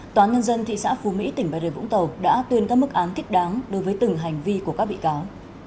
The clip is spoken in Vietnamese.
tòa án nhân dân thị xã phú mỹ tỉnh bài đề vũng tàu đã tuyên các mức án thích đáng đối với từng hành vi của các bị cáo